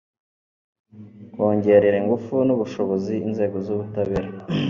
kongerera ingufu n' ubushobozi inzego z' ubutabera